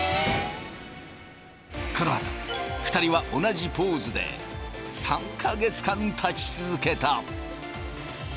このあと２人は同じポーズで３か月間立ち続けた。